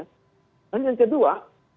dan yang kedua